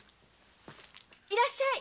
いらっしゃい！